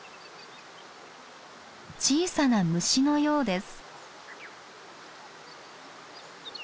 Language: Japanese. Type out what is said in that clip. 小さな虫のようです。